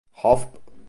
Hofb.